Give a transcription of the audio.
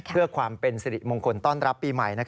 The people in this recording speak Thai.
เพื่อความเป็นสิริมงคลต้อนรับปีใหม่